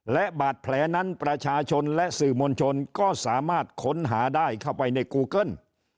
และบาดแผลนั้นประชาชนและสื่อมวลชนก็สามารถค้นหาได้เข้าไปในกูเกิ้ล